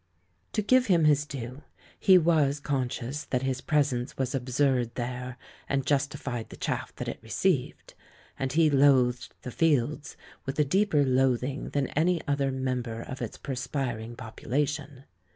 To give him his due, he was conscious that his presence was absurd there and justified the chaff that it received, and he loathed the "Fields" with a deeper loathing than any other member of its perspiring population.